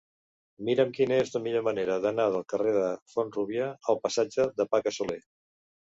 Mira'm quina és la millor manera d'anar del carrer de Font-rúbia al passatge de Paca Soler.